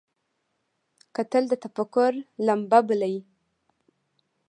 کتل د تفکر لمبه بلي